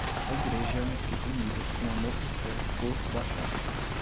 A Igreja e a Mesquita unidas, com amor e fé, por Bashar